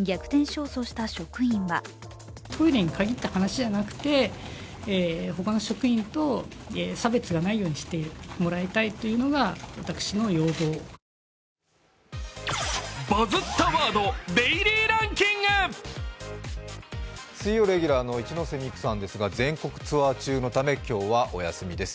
逆転勝訴した職員は水曜レギュラーの一ノ瀬美空さんですが、全国ツアー中のため今日はお休みです。